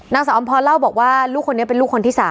นางสาวอำพรเล่าบอกว่าลูกคนนี้เป็นลูกคนที่๓